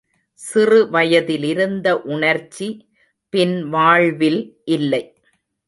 சிறு வயதிலிருந்த உணர்ச்சி பின் வாழ்வில் இல்லை.